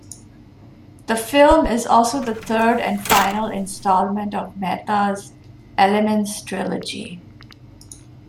The film is also the third and final instalment of Mehta's "Elements trilogy".